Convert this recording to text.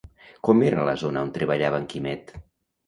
Com era la zona on treballava en Quimet?